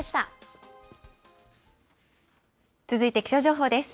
続いて気象情報です。